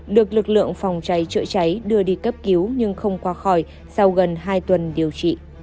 được lực lượng phòng cháy chữa cháy đưa đi cấp cứu nhưng không qua khỏi sau gần hai tuần điều trị